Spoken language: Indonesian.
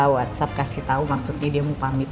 whatsapp kasih tahu maksudnya dia mau pamit